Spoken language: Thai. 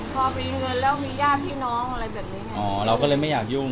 พอมีเงินแล้วมีญาติพี่น้องอะไรแบบนี้ไงอ๋อเราก็เลยไม่อยากยุ่ง